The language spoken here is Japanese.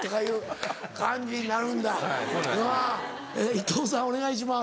伊藤さんお願いします。